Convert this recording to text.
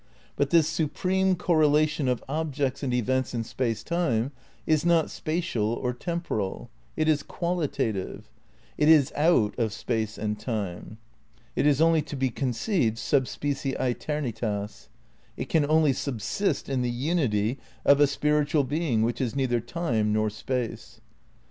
But this supreme correlation of objects and events in Space Time is not spatial or temporal ; it is qualitative ; it is out of Space and Time. It is only to be conceived sub specie aetemitatis. It can only sub sist in the unity of a spiritual Being which is neither Time nor Space.